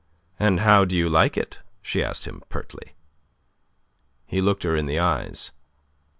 "And how do you like it?" she asked him, pertly. He looked her in the eyes.